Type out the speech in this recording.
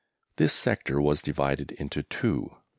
This sector was divided into two.